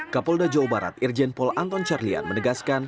kapolda jawa barat irjen pol anton carlyan menegaskan